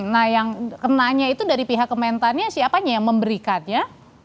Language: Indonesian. nah yang kenanya itu dari pihak kementannya siapanya yang memberikannya